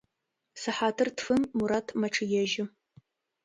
Сыхьатыр тфым Мурат мэчъыежьы.